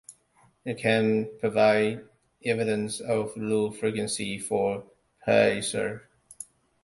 It can provide evidence of rule frequency for a parser.